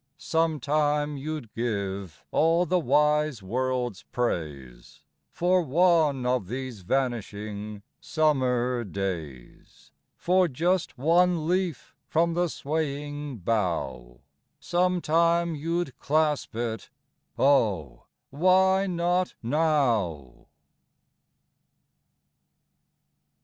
Sometime you 'd give all the wise world's praise For one of these vanishing summer days. For just one leaf from the swaying bough, — Sometime you 'd clasp it ; oh, why not now